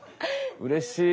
うれしい！